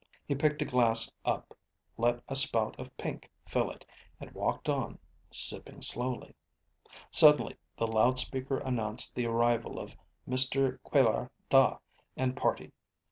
He picked a glass up, let a spout of pink fill it, and walked on, sipping slowly. Suddenly, the loudspeaker announced the arrival of Mr. Quelor Da and party.